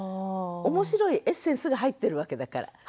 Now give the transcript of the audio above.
面白いエッセンスが入ってるわけだから。